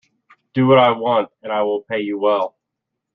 Do what I want, and I will pay you well.